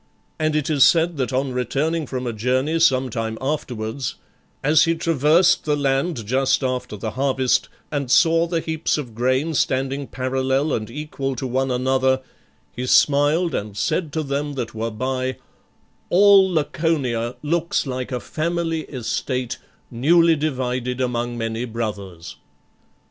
And it is said that on returning from a journey some time afterwards, as he traversed the land just after the harvest, and saw the heaps of grain standing parallel and equal to one another, he smiled, and said to them that were by: " All Laconia looks like a family estate newly divided among many brothers."